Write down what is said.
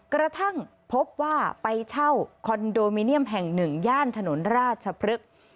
กระทั่งพบว่าไปเช่าคอนโดมิเนียมแห่งหนึ่งย่านถนนราชพฤกษ์